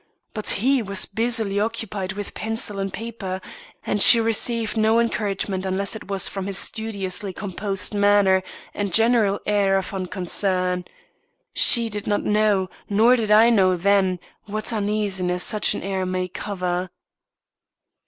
But he was busily occupied with pencil and paper, and she received no encouragement unless it was from his studiously composed manner and general air of unconcern. She did not know nor did I know then what uneasiness such an air may cover.